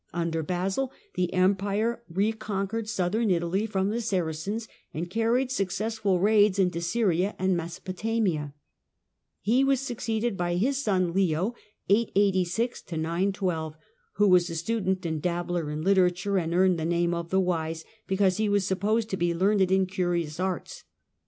Under Basil the Empire conquered Southern Italy from the Saracens and irried successful raids into Syria and Mesopotamia, [e was succeeded by his son Leo (886 912), who was a ;udent and dabbler in literature, and earned the name f " the Wise," because he was supposed to be learned l curious arts.